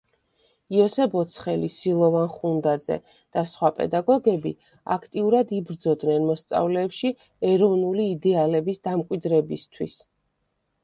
იოსებ ოცხელი, სილოვან ხუნდაძე და სხვა პედაგოგები აქტიურად იბრძოდნენ მოსწავლეებში ეროვნული იდეალების დამკვიდრებისთვის.